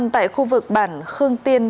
tại khu vực bản khương tiên